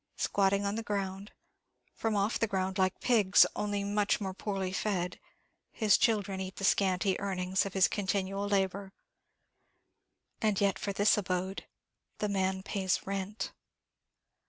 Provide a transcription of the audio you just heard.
Squatting on the ground from off the ground, like pigs, only much more poorly fed his children eat the scanty earnings of his continual labour. And yet for this abode the man pays rent.